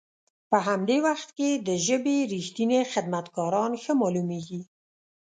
په همدي وخت کې د ژبې رښتني خدمت کاران ښه مالومیږي.